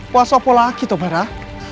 puasa apa lagi tuh barah